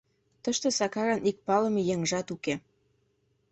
Тыште Сакарын ик палыме еҥжат уке.